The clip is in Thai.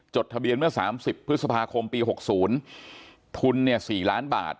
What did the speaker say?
ทะเบียนเมื่อ๓๐พฤษภาคมปี๖๐ทุนเนี่ย๔ล้านบาท